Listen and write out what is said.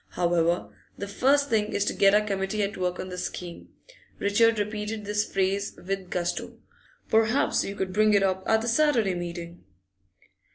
However, the first thing is to get our committee at work on the scheme.' Richard repeated this phrase with gusto. 'Perhaps you could bring it up at the Saturday meeting?